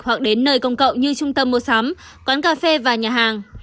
hoặc đến nơi công cộng như trung tâm mua sắm quán cà phê và nhà hàng